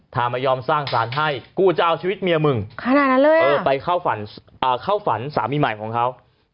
ถ้าไม่ยอมสร้างสารให้กูจะเอาชีวิตเมียมึงขนาดนั้นเลยไปเข้าฝันสามีใหม่ของเขา